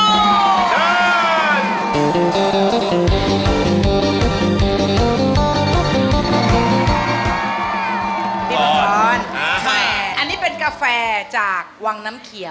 กายงี้เป็นกาแฟจากวังน้ำเขียว